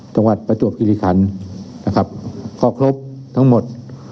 ประจวบคิริคันนะครับก็ครบทั้งหมด